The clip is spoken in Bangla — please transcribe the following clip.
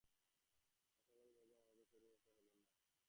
আশা করি, ভগবান আমাকে সেরূপ অবস্থায় ফেলবেন না।